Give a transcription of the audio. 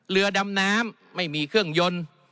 เรือดำน้ำไม่มีเครื่องยนต์